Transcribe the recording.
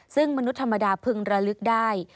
ซึ่งมนุษย์ธรรมดาพึงระลึกได้